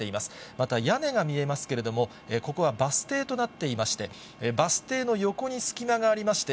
また屋根が見えますけれども、ここはバス停となっていまして、バス停の横に隙間がありまして、